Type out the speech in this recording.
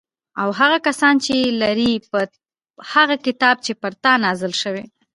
او هغه کسان چې لري په هغه کتاب چې پر تا نازل شوی